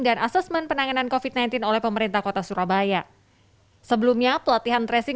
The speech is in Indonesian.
dan assessment penanganan kofit sembilan belas oleh pemerintah kota surabaya sebelumnya pelatihan tracing